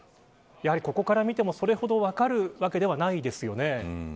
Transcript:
やはり、ここから見てもそれほど分かるものではないですね。